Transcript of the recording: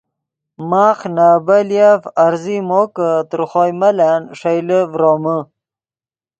ماخ نے ابیلیف عرضی مو کہ تر خوئے ملن ݰئیلے فرومے